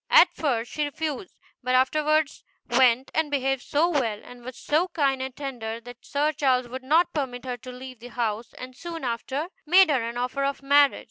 At first she refused, but afterwards went and behaved so well, and was so kind and tender, that Sir Charles would not permit her to leave the house, and soon after made her an offer of marriage.